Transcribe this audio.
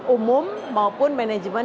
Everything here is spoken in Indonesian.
umum maupun manajemen